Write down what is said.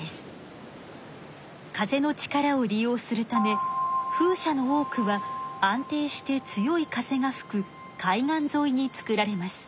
風の力を利用するため風車の多くは安定して強い風がふく海岸ぞいに作られます。